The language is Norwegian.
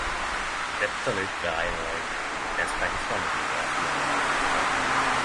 Dette lyt vere ein av dei mest fengslande biografiane om ein forfattar!